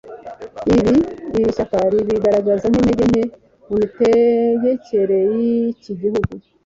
Ibi iri shyaka ribigaragaza nk’intege nke mu mitegekere y’iki gihugu